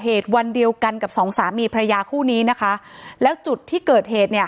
เหตุวันเดียวกันกับสองสามีพระยาคู่นี้นะคะแล้วจุดที่เกิดเหตุเนี่ย